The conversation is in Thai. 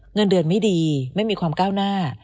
เงินเดือนไม่ดีไม่มีความก้าวหน้า